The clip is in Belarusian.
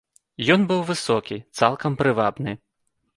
Ён быў высокі, цалкам прывабны.